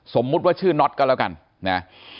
สมมุติว่าชื่อน็อตก็แล้วกันนะ